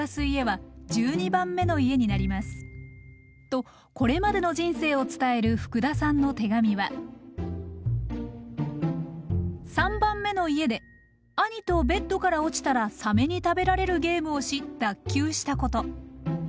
とこれまでの人生を伝える福田さんの手紙は３番目の家で兄とベッドから落ちたらサメに食べられるゲームをし脱臼したこと。